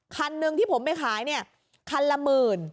คันหนึ่งที่ผมไปขายเนี่ยคันละหมื่น